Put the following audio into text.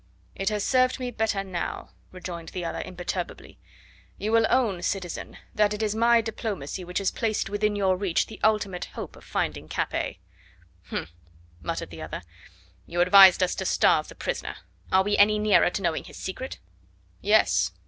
"It has served me better now," rejoined the other imperturbably. "You will own, citizen, that it is my diplomacy which has placed within your reach the ultimate hope of finding Capet." "H'm!" muttered the other, "you advised us to starve the prisoner. Are we any nearer to knowing his secret?" "Yes.